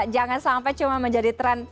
jangan sampai cuma menjadi tren